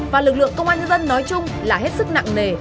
và lực lượng công an nhân dân nói chung là hết sức nặng nề